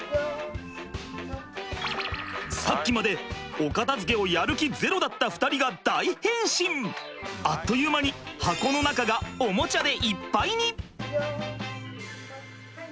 さっきまでお片づけをやる気ゼロだったあっという間に箱の中がおもちゃでいっぱいに！